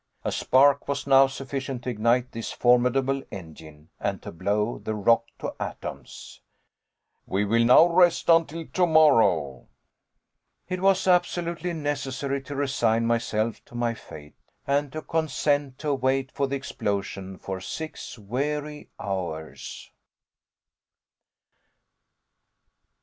A spark was now sufficient to ignite this formidable engine, and to blow the rock to atoms! "We will now rest until tomorrow." It was absolutely necessary to resign myself to my fate, and to consent to wait for the explosion for six weary hours!